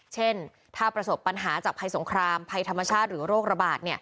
เช่นถ้าประสบปัญหาจากภัยสงครามภัยธรรมชาติหรือโรคระบาด